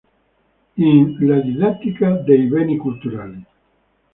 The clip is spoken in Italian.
In: La didattica dei beni culturali.